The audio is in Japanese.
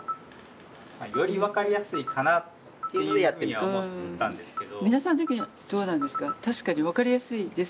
より分かりやすいかなっていうふうには思ったんですけど。